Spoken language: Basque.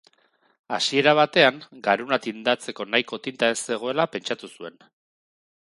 Hasiera batean garuna tindatzeko nahikoa tinta ez zegoela pentsatu zuen.